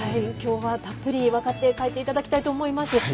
きょうはたっぷり分かって帰っていただきたいと思います。